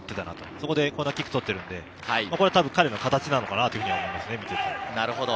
それでコーナーキックをとったので、これが彼の形なのかなと思います。